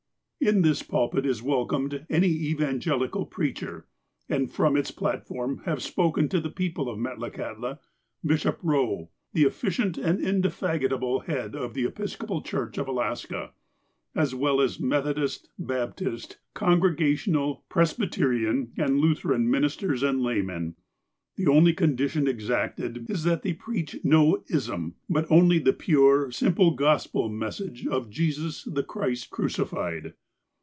" In this pulpit is welcomed any evangelical preacher, and from its platform have spoken to the people of Metlakahtla Bishop Eowe, the efficient and indefatigable head of the Episcopal Church of Alaska, as well as Methodist, Baptist, Congregational, Presbyterian, and Lutheran ministers and laymen. The only condition exacted is that they preach no "ism," but only the pure, simple Gospel message of "Jesus, the Christ crucified."